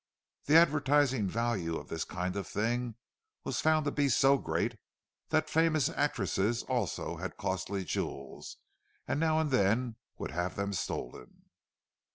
The advertising value of this kind of thing was found to be so great that famous actresses also had costly jewels, and now and then would have them stolen.